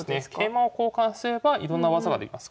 桂馬を交換すればいろんな技ができます。